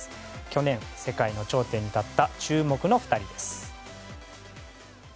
去年、世界の頂点に立った注目の２人です。